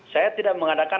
saya tidak mengatakan